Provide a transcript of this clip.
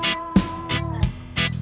pulang duluan udah izin